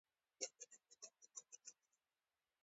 هماغه زمزمه په نر میوزیک ښایسته ګرځي.